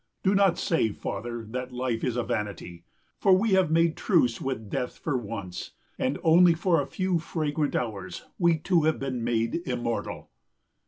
Do not say, father, that life is a vanity. For we have made truce with death for once, and only for a few fragrant hours we two have been made immortal.